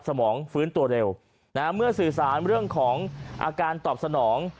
สมองฟื้นตัวเร็วเมื่อสื่อสารเรื่องของอาการตอบสนอง